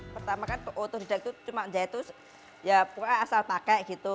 pertama kan otoridak itu cuma menjahit itu ya bukan asal pakai gitu